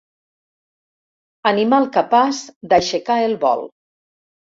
Animal capaç d'aixecar el vol.